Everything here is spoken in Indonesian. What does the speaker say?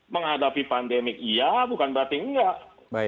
menghadapi pandemi iya bukan berarti enggak